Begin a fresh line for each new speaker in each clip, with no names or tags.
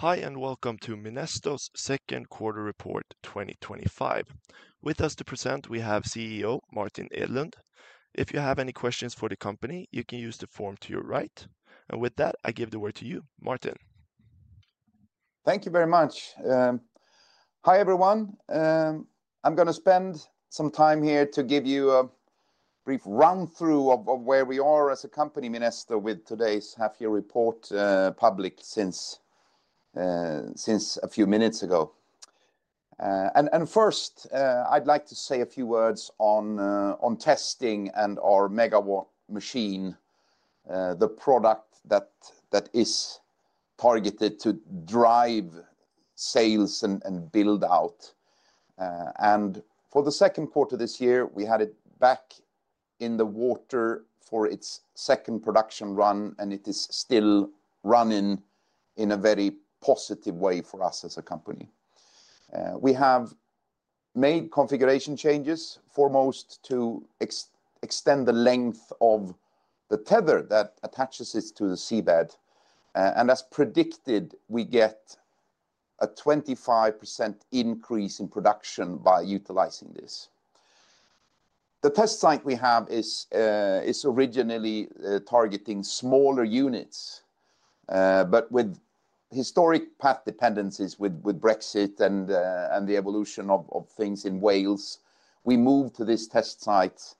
Hi, and welcome to Minesto's second quarter report 2025. With us to present, we have CEO Martin Edlund. If you have any questions for the company, you can use the form to your right. With that, I give the word to you, Martin.
Thank you very much. Hi, everyone. I'm going to spend some time here to give you a brief run-through of where we are as a company, Minesto, with today's half-year report public since a few minutes ago. First, I'd like to say a few words on testing and our mega machine, the product that is targeted to drive sales and build out. For the second quarter this year, we had it back in the water for its second production run, and it is still running in a very positive way for us as a company. We have made configuration changes, foremost to extend the length of the tether that attaches it to the seabed. As predicted, we get a 25% increase in production by utilizing this. The test site we have is originally targeting smaller units, but with historic path dependencies with Brexit and the evolution of things in Wales, we moved to this test site,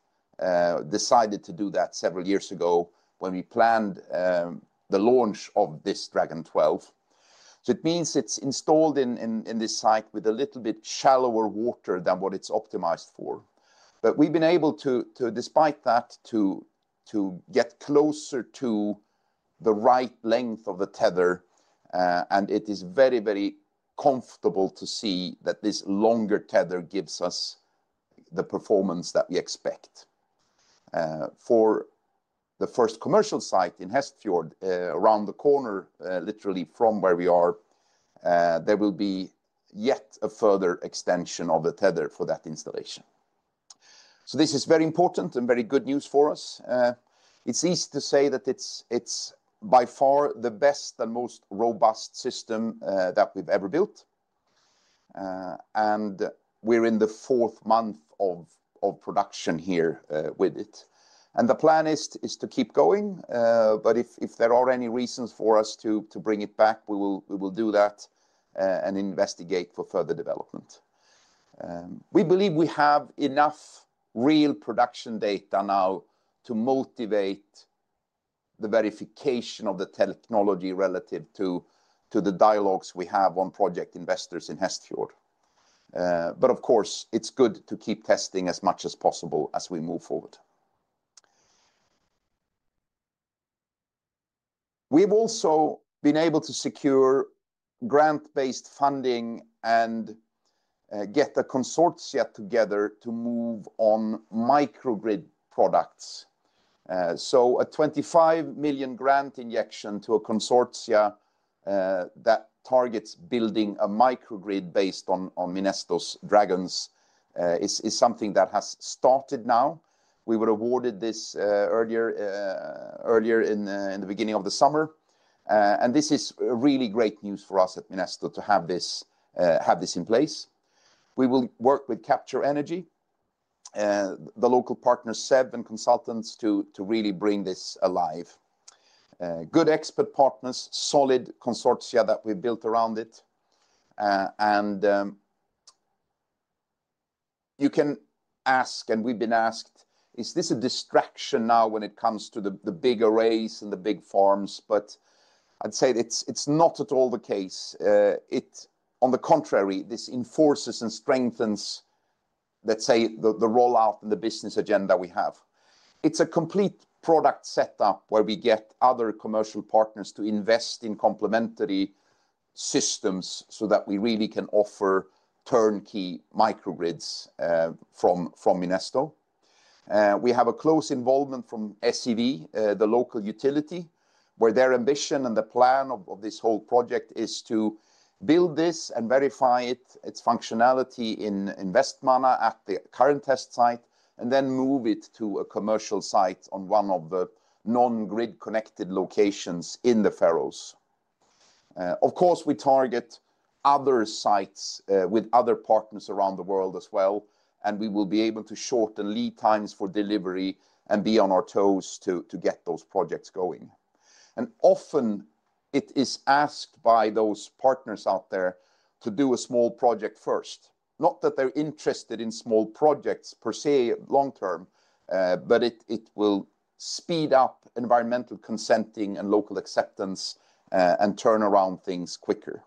decided to do that several years ago when we planned the launch of this Dragon 12. It means it's installed in this site with a little bit shallower water than what it's optimized for. We've been able to, despite that, get closer to the right length of the tether, and it is very, very comfortable to see that this longer tether gives us the performance that we expect. For the first commercial site in Hestfjord, around the corner, literally from where we are, there will be yet a further extension of the tether for that installation. This is very important and very good news for us. It's easy to say that it's by far the best and most robust system that we've ever built. We're in the fourth month of production here with it, and the plan is to keep going. If there are any reasons for us to bring it back, we will do that and investigate for further development. We believe we have enough real production data now to motivate the verification of the technology relative to the dialogues we have on project investors in Hestfjord. Of course, it's good to keep testing as much as possible as we move forward. We've also been able to secure grant-based funding and get a consortia together to move on microgrid products. A 25 million grant injection to a consortia that targets building a microgrid based on Minesto's Dragons is something that has started now. We were awarded this earlier in the beginning of the summer. This is really great news for us at Minesto to have this in place. We will work with Capture Energy, the local partners, SEV and consultants, to really bring this alive. Good expert partners, solid consortia that we've built around it. You can ask, and we've been asked, is this a distraction now when it comes to the bigger race and the big farms? I'd say it's not at all the case. On the contrary, this enforces and strengthens, let's say, the rollout and the business agenda we have. It's a complete product setup where we get other commercial partners to invest in complementary systems so that we really can offer turnkey microgrids from Minesto. We have a close involvement from SEV, the local utility, where their ambition and the plan of this whole project is to build this and verify its functionality in Vestmanna at the current test site and then move it to a commercial site on one of the non-grid connected locations in the Faroe Islands. Of course, we target other sites with other partners around the world as well, and we will be able to shorten lead times for delivery and be on our toes to get those projects going. Often, it is asked by those partners out there to do a small project first. Not that they're interested in small projects per se long term, but it will speed up environmental consenting and local acceptance and turn around things quicker.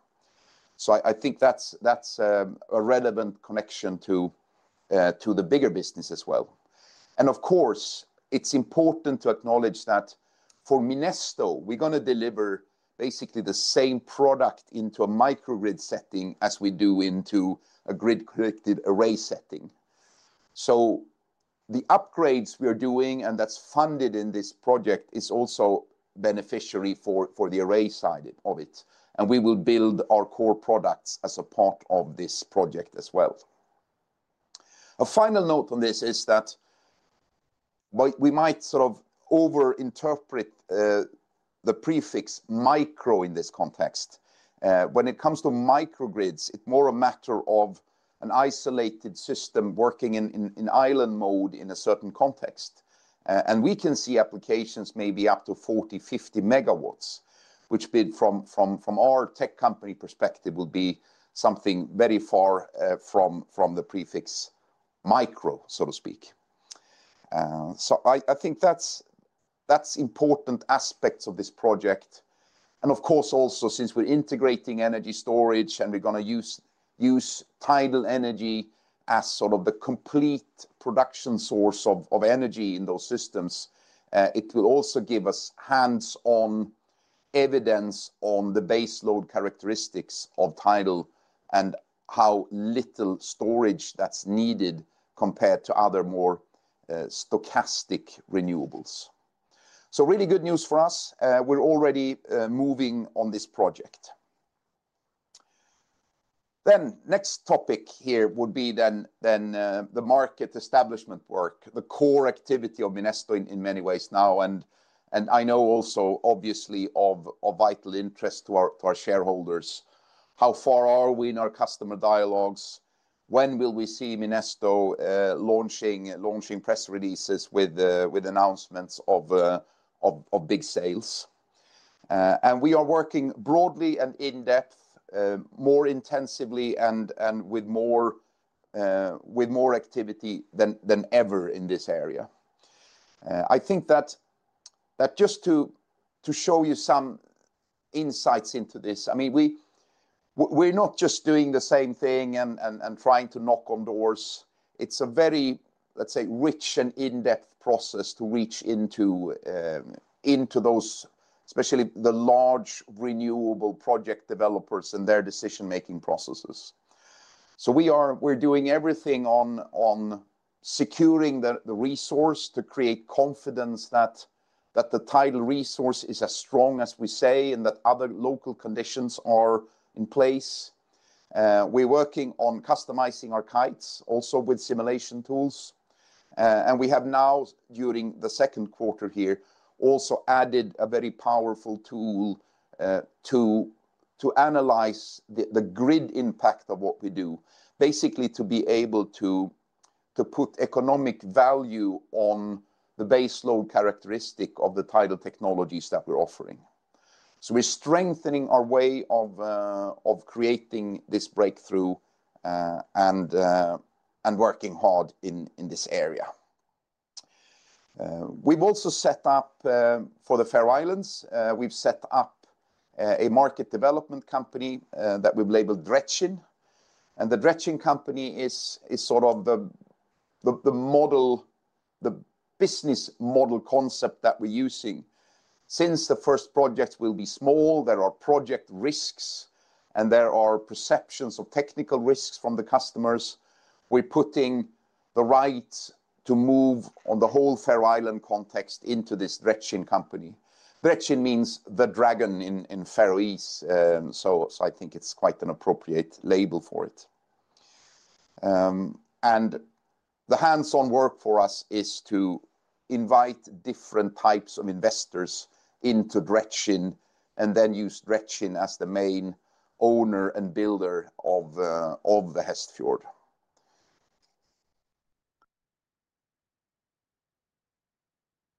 I think that's a relevant connection to the bigger business as well. Of course, it's important to acknowledge that for Minesto, we're going to deliver basically the same product into a microgrid setting as we do into a grid-connected array setting. The upgrades we're doing, and that's funded in this project, is also beneficiary for the array side of it. We will build our core products as a part of this project as well. A final note on this is that we might sort of over-interpret the prefix micro in this context. When it comes to microgrids, it's more a matter of an isolated system working in island mode in a certain context. We can see applications maybe up to 40, 50 MW, which from our tech company perspective would be something very far from the prefix micro, so to speak. I think that's important aspects of this project. Of course, also since we're integrating energy storage and we're going to use tidal energy as sort of the complete production source of energy in those systems, it will also give us hands-on evidence on the baseload characteristics of tidal and how little storage that's needed compared to other more stochastic renewables. Really good news for us. We're already moving on this project. The next topic here would be the market establishment work, the core activity of Minesto in many ways now. I know also, obviously, of vital interest to our shareholders. How far are we in our customer dialogues? When will we see Minesto launching press releases with announcements of big sales? We are working broadly and in depth, more intensively and with more activity than ever in this area. I think that just to show you some insights into this, I mean, we're not just doing the same thing and trying to knock on doors. It's a very, let's say, rich and in-depth process to reach into those, especially the large renewable project developers and their decision-making processes. We're doing everything on securing the resource to create confidence that the tidal resource is as strong as we say and that other local conditions are in place. We're working on customizing our kites, also with simulation tools. We have now, during the second quarter here, also added a very powerful tool to analyze the grid impact of what we do, basically to be able to put economic value on the baseload characteristics of the tidal technologies that we're offering. We're strengthening our way of creating this breakthrough and working hard in this area. We've also set up for the Faroe Islands, we've set up a market development company that we've labeled Dredchin. The Dredchin company is sort of the business model concept that we're using. Since the first project will be small, there are project risks and there are perceptions of technical risks from the customers. We're putting the right to move on the whole Faroe Island context into this Dredchin company. Dredchin means the dragon in Faroese, so I think it's quite an appropriate label for it. The hands-on work for us is to invite different types of investors into Dredchin and then use Dredchin as the main owner and builder of the Hestfjord.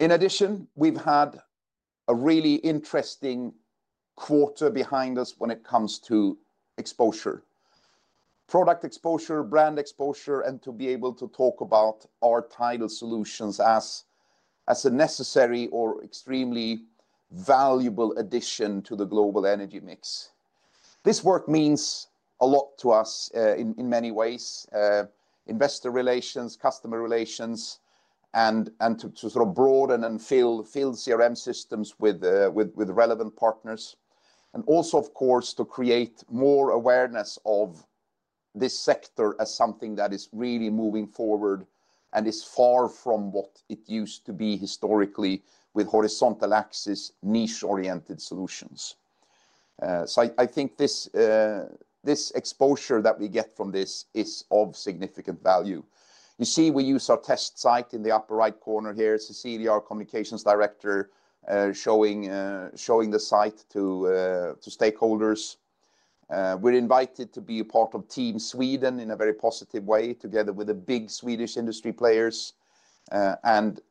In addition, we've had a really interesting quarter behind us when it comes to exposure, product exposure, brand exposure, and to be able to talk about our tidal solutions as a necessary or extremely valuable addition to the global energy mix. This work means a lot to us in many ways: investor relations, customer relations, and to sort of broaden and fill CRM systems with relevant partners. Of course, to create more awareness of this sector as something that is really moving forward and is far from what it used to be historically with horizontal axis, niche-oriented solutions. I think this exposure that we get from this is of significant value. You see, we use our test site in the upper right corner here. Cecilia, our Communications Director, is showing the site to stakeholders. We're invited to be a part of Team Sweden in a very positive way, together with the big Swedish industry players, and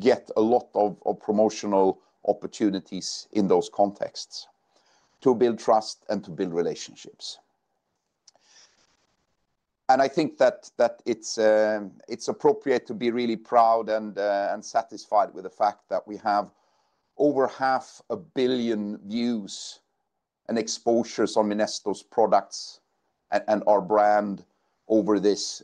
get a lot of promotional opportunities in those contexts to build trust and to build relationships. I think that it's appropriate to be really proud and satisfied with the fact that we have over 500 million views and exposures on Minesto's products and our brand over this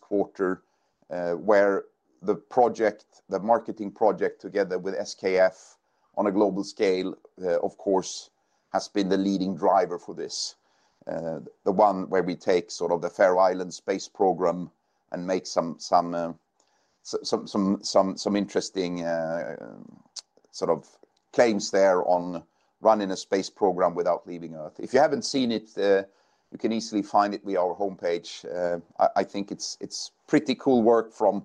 quarter, where the project, the marketing project together with SKF on a global scale, of course, has been the leading driver for this. The one where we take sort of the Faroe Islands space program and make some interesting sort of claims there on running a space program without leaving Earth. If you haven't seen it, you can easily find it via our homepage. I think it's pretty cool work from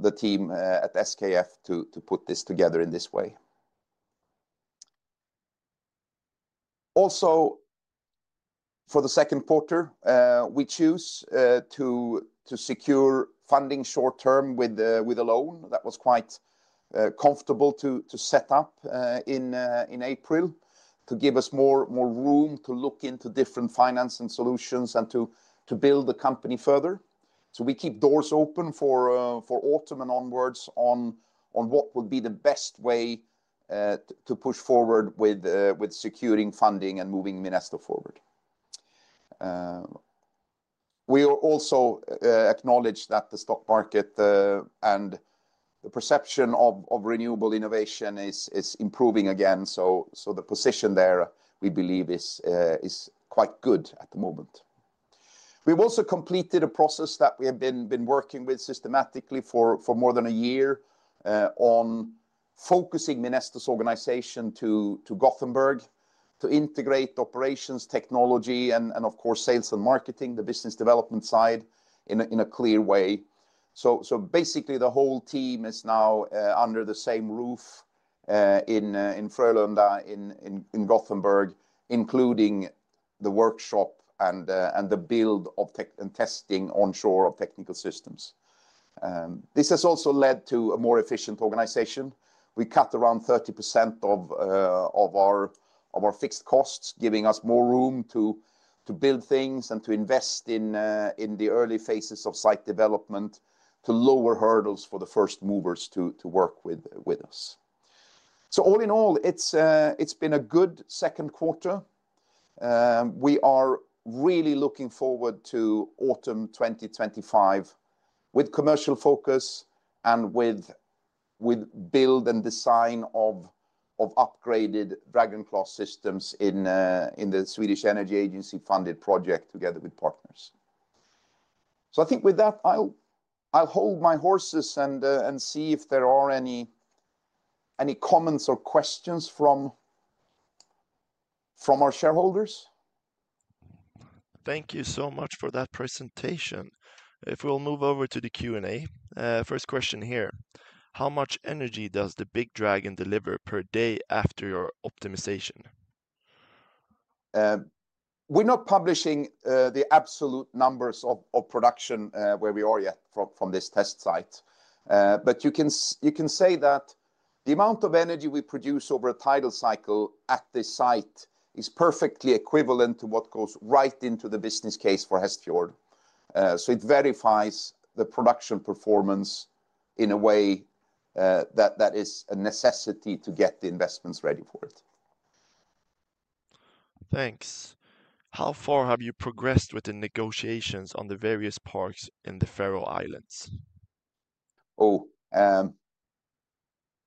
the team at SKF to put this together in this way. For the second quarter, we choose to secure funding short-term with a loan that was quite comfortable to set up in April to give us more room to look into different finance and solutions and to build the company further. We keep doors open for autumn and onwards on what would be the best way to push forward with securing funding and moving Minesto forward. We also acknowledge that the stock market and the perception of renewable innovation is improving again. The position there, we believe, is quite good at the moment. We've also completed a process that we have been working with systematically for more than a year on focusing Minesto's organization to Gothenburg to integrate operations, technology, and, of course, sales and marketing, the business development side in a clear way. Basically, the whole team is now under the same roof in Frölunda in Gothenburg, including the workshop and the build of tech and testing onshore of technical systems. This has also led to a more efficient organization. We cut around 30% of our fixed costs, giving us more room to build things and to invest in the early phases of site development to lower hurdles for the first movers to work with us. All in all, it's been a good second quarter. We are really looking forward to autumn 2025 with commercial focus and with build and design of upgraded Dragon 12 systems in the Swedish Energy Agency-funded project together with partners. I think with that, I'll hold my horses and see if there are any comments or questions from our shareholders.
Thank you so much for that presentation. If we'll move over to the Q&A, first question here. How much energy does the big Dragon 12 deliver per day after your optimization?
We're not publishing the absolute numbers of production where we are yet from this test site. You can say that the amount of energy we produce over a tidal cycle at this site is perfectly equivalent to what goes right into the business case for Hestfjord. It verifies the production performance in a way that is a necessity to get the investments ready for it.
Thanks. How far have you progressed with the negotiations on the various parks in the Faroe Islands?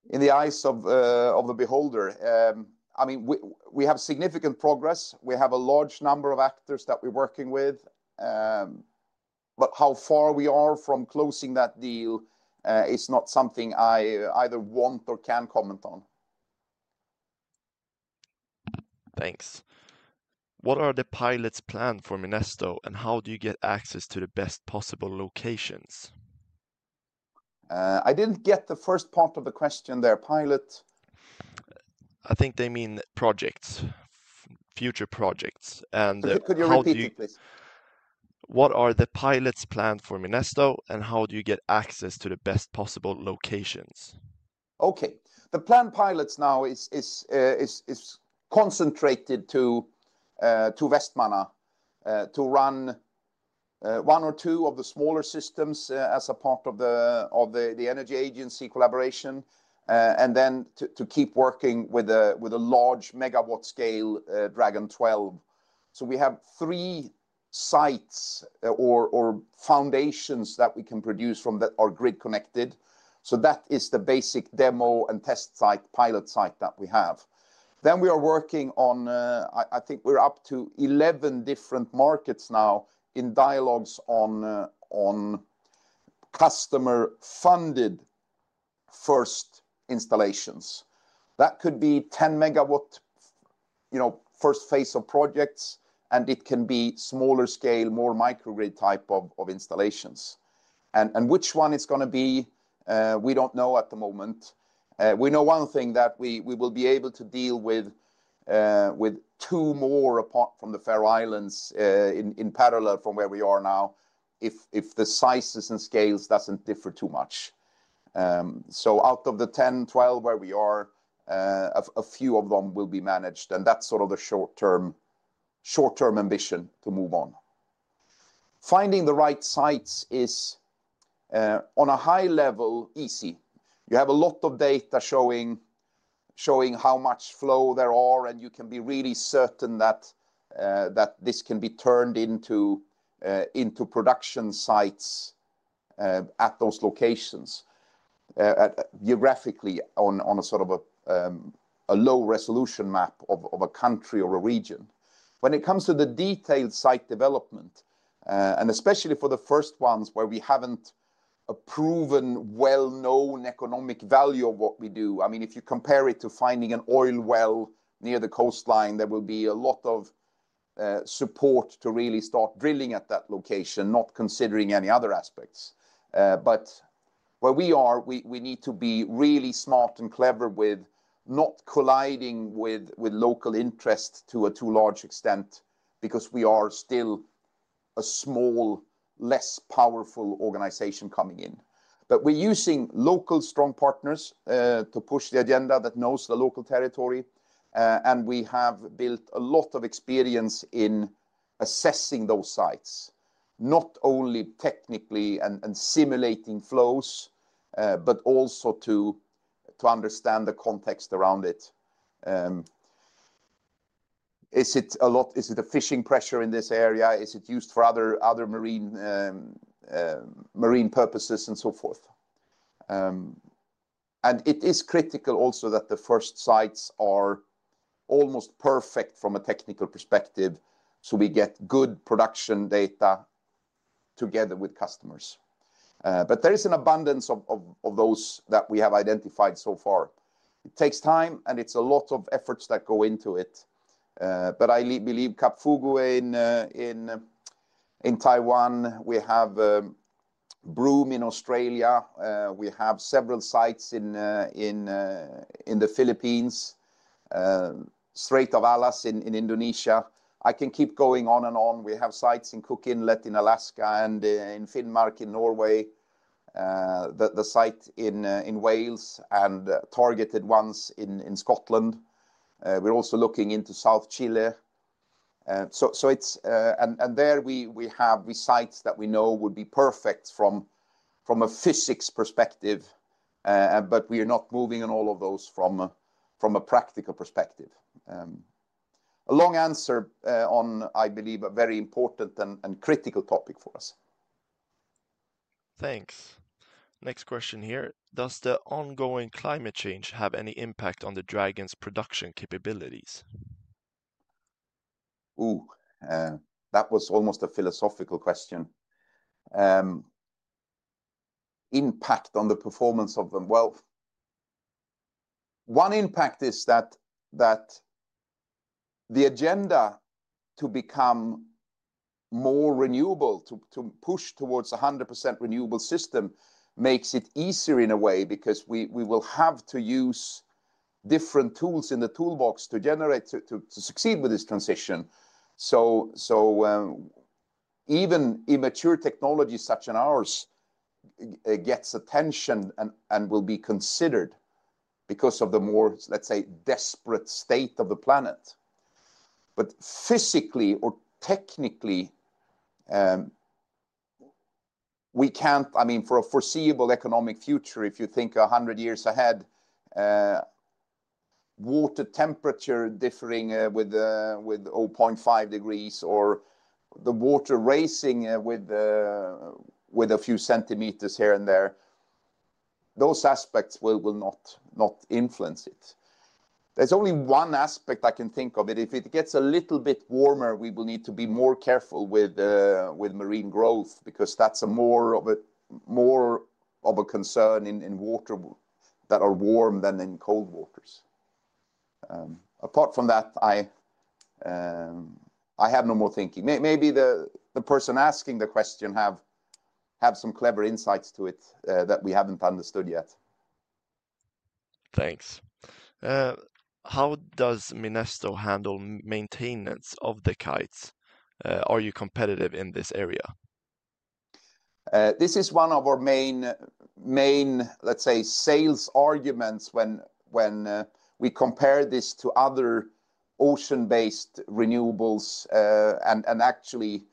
In the eyes of the beholder, I mean, we have significant progress. We have a large number of actors that we're working with. How far we are from closing that deal is not something I either want or can comment on.
Thanks. What are the pilots planned for Minesto, and how do you get access to the best possible locations?
I didn't get the first part of the question there, pilot.
I think they mean projects, future projects.
Could you repeat that, please?
What are the pilots planned for Minesto, and how do you get access to the best possible locations?
Okay. The planned pilots now are concentrated to Vestmanna to run one or two of the smaller systems as a part of the Energy Agency collaboration, and to keep working with a large MW scale Dragon 12. We have three sites or foundations that we can produce from that are grid connected. That is the basic demo and test site, pilot site that we have. We are working on, I think we're up to 11 different markets now in dialogues on customer-funded first installations. That could be 10 MW first phase of projects, and it can be smaller scale, more microgrid type of installations. Which one it's going to be, we don't know at the moment. We know one thing, that we will be able to deal with two more apart from the Faroe Islands in parallel from where we are now if the sizes and scales don't differ too much. Out of the 10, 12 where we are, a few of them will be managed, and that's sort of the short-term ambition to move on. Finding the right sites is, on a high level, easy. You have a lot of data showing how much flow there is, and you can be really certain that this can be turned into production sites at those locations, geographically on a sort of a low-resolution map of a country or a region. When it comes to the detailed site development, and especially for the first ones where we haven't proven well-known economic value of what we do, I mean, if you compare it to finding an oil well near the coastline, there will be a lot of support to really start drilling at that location, not considering any other aspects. Where we are, we need to be really smart and clever with not colliding with local interest to too large an extent because we are still a small, less powerful organization coming in. We're using local strong partners to push the agenda that know the local territory, and we have built a lot of experience in assessing those sites, not only technically and simulating flows, but also to understand the context around it. Is it a lot? Is it a fishing pressure in this area? Is it used for other marine purposes and so forth? It is critical also that the first sites are almost perfect from a technical perspective so we get good production data together with customers. There is an abundance of those that we have identified so far. It takes time, and it's a lot of effort that goes into it. I believe Kapfugu in Taiwan, we have Broome in Australia, we have several sites in the Philippines, Strait of Alas in Indonesia. I can keep going on and on. We have sites in Cook Inlet in Alaska and in Finnmark in Norway, the site in Wales, and targeted ones in Scotland. We're also looking into South Chile. There we have sites that we know would be perfect from a physics perspective, but we are not moving on all of those from a practical perspective. A long answer on, I believe, a very important and critical topic for us.
Thanks. Next question here. Does the ongoing climate change have any impact on the Dragon 12's production capabilities?
That was almost a philosophical question. Impact on the performance of them. One impact is that the agenda to become more renewable, to push towards a 100% renewable system, makes it easier in a way because we will have to use different tools in the toolbox to succeed with this transition. Even immature technologies such as ours get attention and will be considered because of the more, let's say, desperate state of the planet. Physically or technically, we can't, I mean, for a foreseeable economic future, if you think 100 years ahead, water temperature differing with 0.5 degrees or the water rising with a few centimeters here and there, those aspects will not influence it. There's only one aspect I can think of. If it gets a little bit warmer, we will need to be more careful with marine growth because that's more of a concern in waters that are warm than in cold waters. Apart from that, I have no more thinking. Maybe the person asking the question has some clever insights to it that we haven't understood yet.
Thanks. How does Minesto handle maintenance of the kites? Are you competitive in this area?
This is one of our main, let's say, sales arguments when we compare this to other ocean-based renewables and actually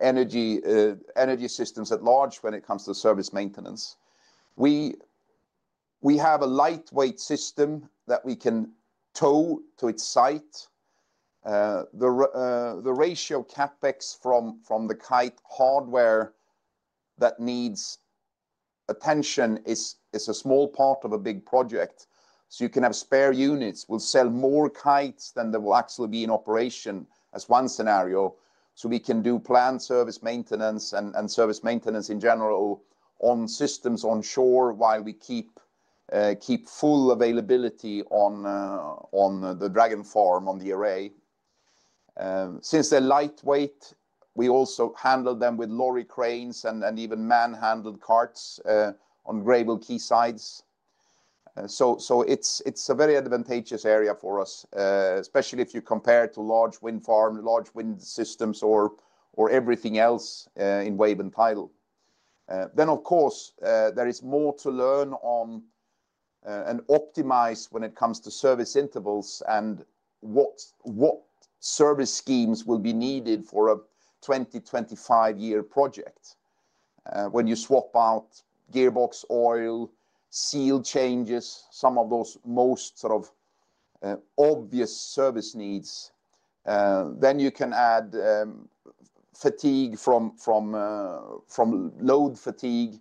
energy systems at large when it comes to service maintenance. We have a lightweight system that we can tow to its site. The ratio CapEx from the kite hardware that needs attention is a small part of a big project. You can have spare units; we'll sell more kites than there will actually be in operation as one scenario. We can do planned service maintenance and service maintenance in general on systems onshore while we keep full availability on the Dragon farm, on the array. Since they're lightweight, we also handle them with lorry cranes and even man-handled carts on gravel quaysides. It's a very advantageous area for us, especially if you compare to large wind farms, large wind systems, or everything else in wave and tidal. Of course, there is more to learn and optimize when it comes to service intervals and what service schemes will be needed for a 20-25 year project. When you swap out gearbox oil, seal changes, some of those most sort of obvious service needs, you can add fatigue from load fatigue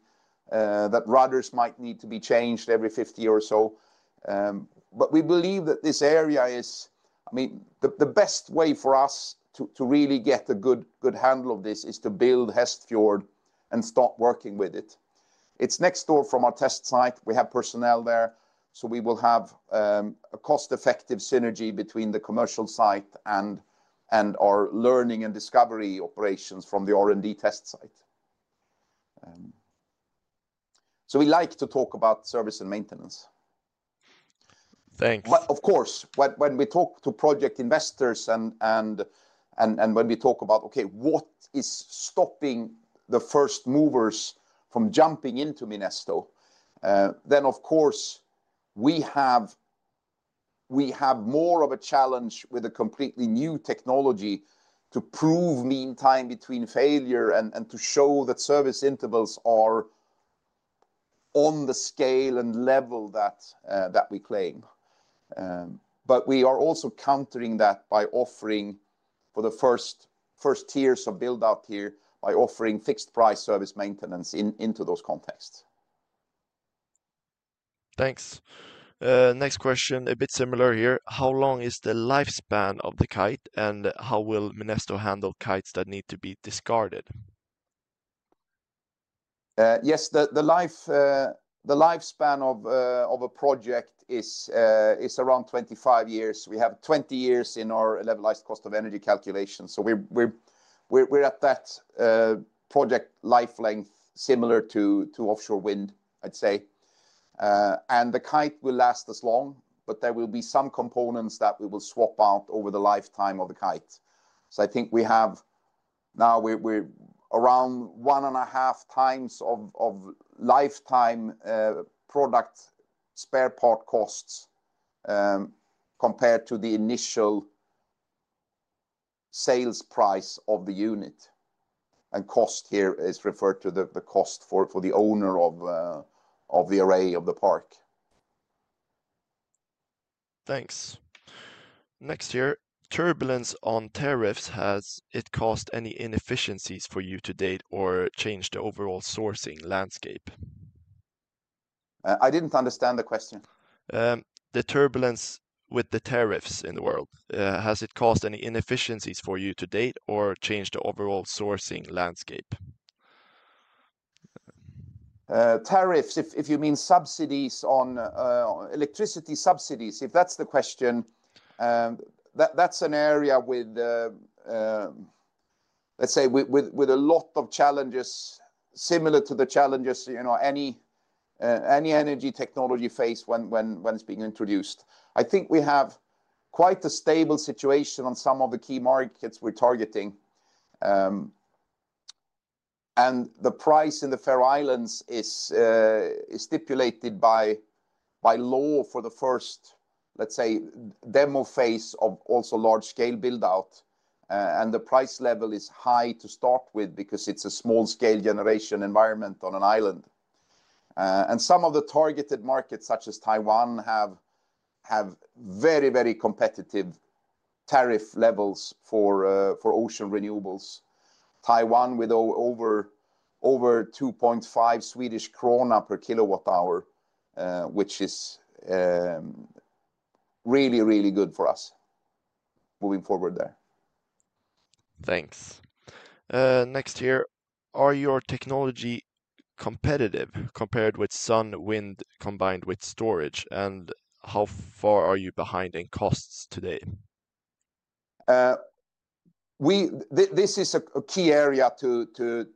that rudders might need to be changed every 50 or so. We believe that this area is the best way for us to really get a good handle of this is to build Hestfjord and start working with it. It's next door from our test site. We have personnel there, so we will have a cost-effective synergy between the commercial site and our learning and discovery operations from the R&D test site. We like to talk about service and maintenance.
Thanks.
Of course, when we talk to project investors and when we talk about, okay, what is stopping the first movers from jumping into Minesto, we have more of a challenge with a completely new technology to prove meantime between failure and to show that service intervals are on the scale and level that we claim. We are also countering that by offering, for the first tiers of build-out here, fixed-price service maintenance into those contexts.
Thanks. Next question, a bit similar here. How long is the lifespan of the kite, and how will Minesto handle kites that need to be discarded?
Yes, the lifespan of a project is around 25 years. We have 20 years in our levelized cost of energy calculation. We're at that project lifelength, similar to offshore wind, I'd say. The kite will last as long, but there will be some components that we will swap out over the lifetime of the kite. I think we have now, we're around 1.5x of lifetime product spare part costs compared to the initial sales price of the unit. Cost here is referred to the cost for the owner of the array of the park.
Thanks. Next here, turbulence on tariffs, has it caused any inefficiencies for you to date or changed the overall sourcing landscape?
I didn't understand the question.
The turbulence with the tariffs in the world, has it caused any inefficiencies for you to date or changed the overall sourcing landscape?
Tariffs, if you mean subsidies on electricity subsidies, if that's the question, that's an area with a lot of challenges similar to the challenges any energy technology faced when it's being introduced. I think we have quite a stable situation on some of the key markets we're targeting. The price in the Faroe Islands is stipulated by law for the first, let's say, demo phase of also large-scale build-out. The price level is high to start with because it's a small-scale generation environment on an island. In some of the targeted markets, such as Taiwan, there are very, very competitive tariff levels for ocean renewables. Taiwan with over 2.5 Swedish krona per kWh, which is really, really good for us moving forward there.
Thanks. Next here, are your technology competitive compared with solar PV, offshore wind, combined with storage? How far are you behind in costs today?
This is a key area to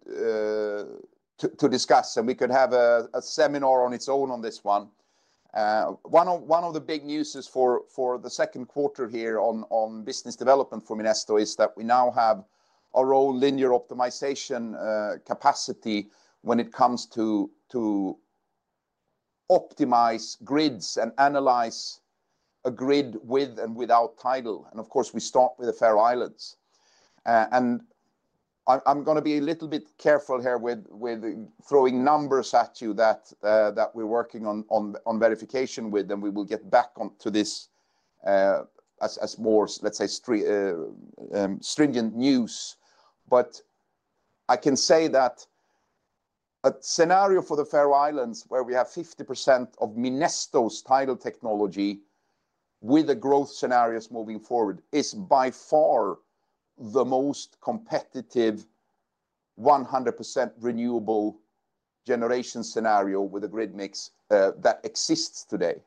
discuss, and we could have a seminar on its own on this one. One of the big news for the second quarter here on business development for Minesto is that we now have a role linear optimization capacity when it comes to optimize grids and analyze a grid with and without tidal. Of course, we start with the Faroe Islands. I'm going to be a little bit careful here with throwing numbers at you that we're working on verification with, and we will get back to this as more, let's say, stringent news. I can say that a scenario for the Faroe Islands, where we have 50% of Minesto's tidal technology with the growth scenarios moving forward, is by far the most competitive 100% renewable generation scenario with a grid mix that exists today.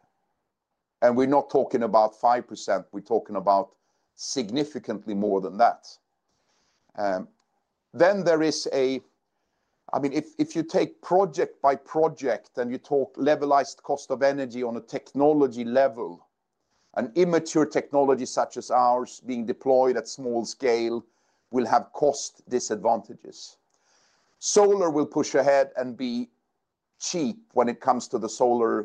We're not talking about 5%. We're talking about significantly more than that. If you take project by project and you talk levelized cost of energy on a technology level, an immature technology such as ours being deployed at small scale will have cost disadvantages. Solar will push ahead and be cheap when it comes to the solar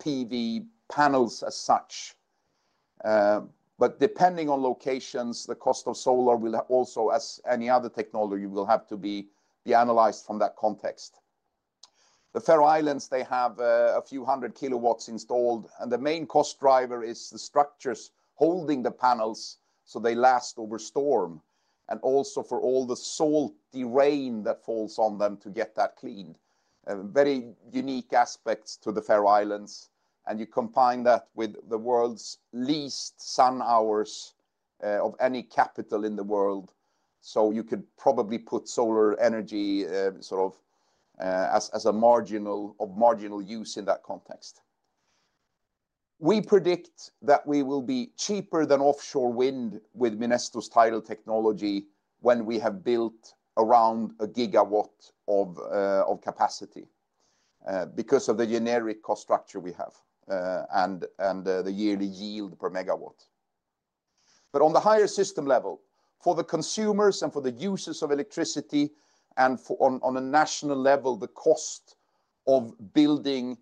PV panels as such. Depending on locations, the cost of solar will also, as any other technology, will have to be analyzed from that context. The Faroe Islands, they have a few hundred kW installed, and the main cost driver is the structures holding the panels so they last over storm and also for all the salty rain that falls on them to get that cleaned. Very unique aspects to the Faroe Islands. You combine that with the world's least sun hours of any capital in the world, so you could probably put solar energy sort of as a marginal use in that context. We predict that we will be cheaper than offshore wind with Minesto's tidal technology when we have built around a gigawatt of capacity because of the generic cost structure we have and the yearly yield per MW. On the higher system level, for the consumers and for the users of electricity and on a national level, the cost of building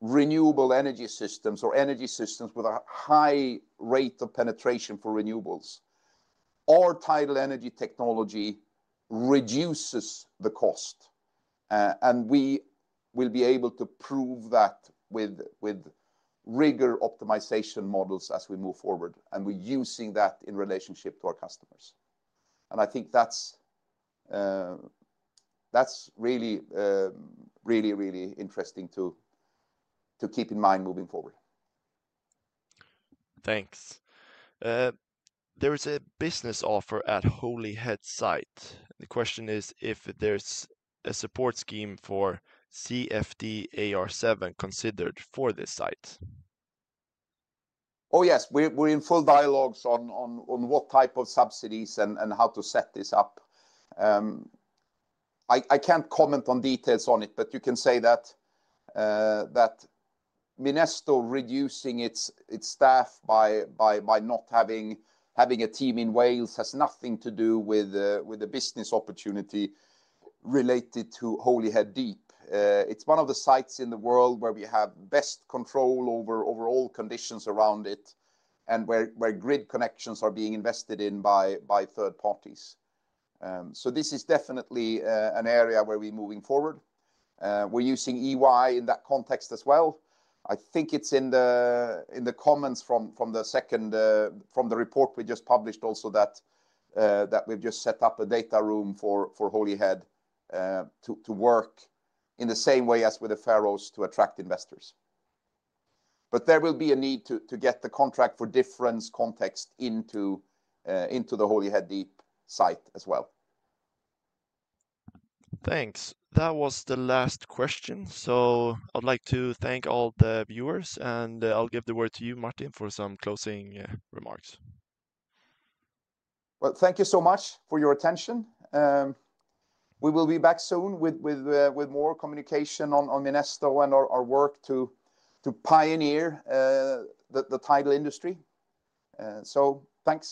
renewable energy systems or energy systems with a high rate of penetration for renewables, our tidal energy technology reduces the cost. We will be able to prove that with rigor optimization models as we move forward. We're using that in relationship to our customers. I think that's really, really interesting to keep in mind moving forward.
Thanks. There is a business offer at Holyhead site. The question is if there's a support scheme for CFD AR7 considered for this site.
Oh, yes. We're in full dialogues on what type of subsidies and how to set this up. I can't comment on details on it, but you can say that Minesto reducing its staff by not having a team in Wales has nothing to do with a business opportunity related to Holy Head Deep. It's one of the sites in the world where we have best control over all conditions around it and where grid connections are being invested in by third parties. This is definitely an area where we're moving forward. We're using EY in that context as well. I think it's in the comments from the report we just published also that we've just set up a data room for Holy Head to work in the same way as with the Faroe Islands to attract investors. There will be a need to get the contract for difference context into the Holy Head Deep site as well.
Thanks. That was the last question. I'd like to thank all the viewers, and I'll give the word to you, Martin, for some closing remarks.
Thank you so much for your attention. We will be back soon with more communication on Minesto and our work to pioneer the tidal industry. Thanks.